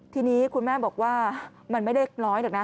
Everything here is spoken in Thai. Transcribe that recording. ทีนี้คุณแม่บอกว่ามันไม่เล็กน้อยแหละนะ